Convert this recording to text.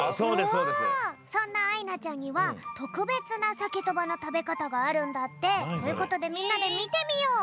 そんなあいなちゃんにはとくべつなサケとばの食べかたがあるんだって。ということでみんなでみてみよう！